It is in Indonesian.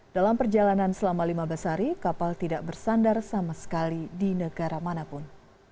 dalam perjalanan selama lima belas hari kapal tidak bersandar sama sekali di negara manapun